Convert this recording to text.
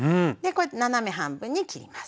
斜め半分に切ります。